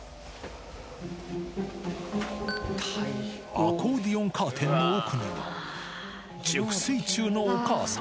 アコーディオンカーテンの奥には、熟睡中のお母さん。